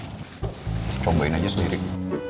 loh tapi kok brandnya gak jelas gitu sih